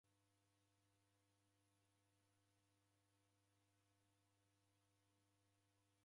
Iji kwashoghonoka, kuvike bistali.